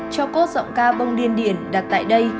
cho cốt giọng ca bông điên điển đặt tại đây